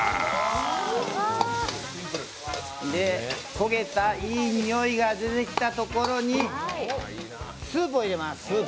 焦げたいいにおいが出てきたところにスープを入れます。